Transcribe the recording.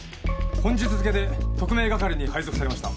本日付けで特命係に配属されました。